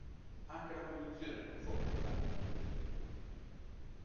Anche la produzione non fu apprezzata dai membri del gruppo.